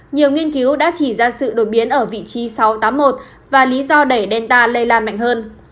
nhiều nghiên cứu đã chỉ ra sự đột biến ở vị trí sáu trăm tám mươi một và lý do đẩy ta lây lan mạnh hơn